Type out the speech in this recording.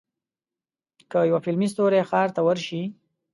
که یو فلمي ستوری ښار ته ورشي.